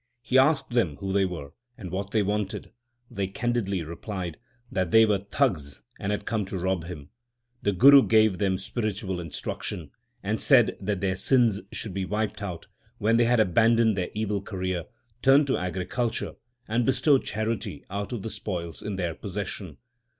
He asked them who they were, and what they wanted. They candidly replied that they were thags, 1 and had come to rob him. The Guru gave them spiritual instruction, and said that their sins should be wiped out when they had abandoned their evil career, turned to agriculture, and bestowed charity out of the spoils in their possession.